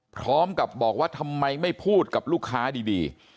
พร้อมกับบอกว่าทำไมไม่พูดกับลูกค้าดี